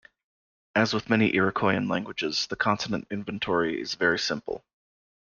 As with many Iroquoian languages, the consonant inventory is very simple.